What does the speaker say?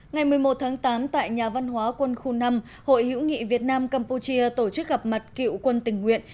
ngày một mươi một tháng tám tại nhà văn hóa quân khu năm hội hữu nghị việt nam campuchia tổ chức gặp mặt cựu quân tình nguyện